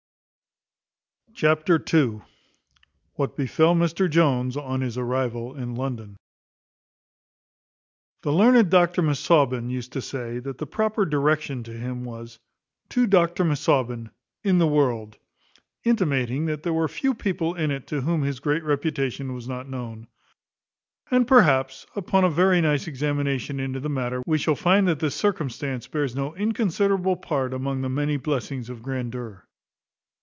What befel Mr Jones on his arrival in London. The learned Dr Misaubin used to say, that the proper direction to him was To Dr Misaubin, in the World; intimating that there were few people in it to whom his great reputation was not known. And, perhaps, upon a very nice examination into the matter, we shall find that this circumstance bears no inconsiderable part among the many blessings of grandeur.